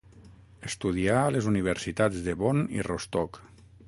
Estudià a les universitats de Bonn i Rostock.